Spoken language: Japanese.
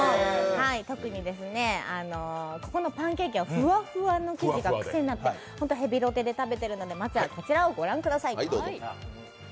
特にここのパンケーキはふわふわのケーキがクセになってホント、ヘビロテで食べてるのでまずはこちらをご覧ください。